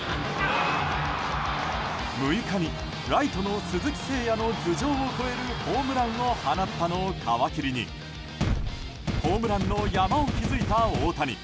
６日に、ライトの鈴木誠也の頭上を越えるホームランを放ったのを皮切りにホームランの山を築いた大谷。